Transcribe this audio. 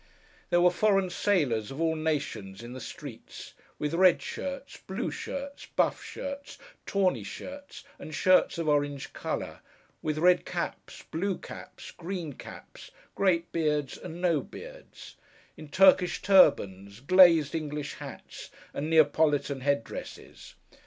There were foreign sailors, of all nations, in the streets; with red shirts, blue shirts, buff shirts, tawny shirts, and shirts of orange colour; with red caps, blue caps, green caps, great beards, and no beards; in Turkish turbans, glazed English hats, and Neapolitan head dresses.